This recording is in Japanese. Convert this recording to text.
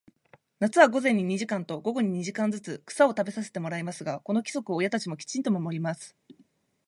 夏は午前に二時間と、午後に二時間ずつ、草を食べさせてもらいますが、この規則を親たちもきちんと守ります。